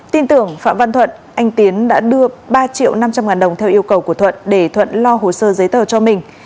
tin tưởng phạm văn thuận anh tiến đã đưa ba triệu năm trăm linh ngàn đồng theo yêu cầu của thuận để thuận lo hồ sơ giấy tờ cho mình